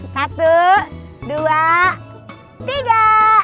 satu dua tiga